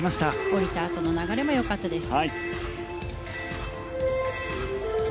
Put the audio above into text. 降りたあとの流れも良かったです。